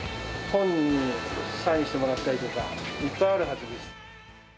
本にサインしてもらったりとか、いっぱいあるはずです。